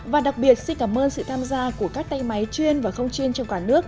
và đặc biệt xin cảm ơn sự tham gia của các tay máy chuyên và không chuyên trong cả nước